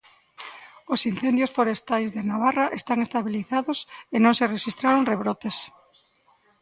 Os incendios forestais de Navarra están estabilizados e non se rexistraron rebrotes.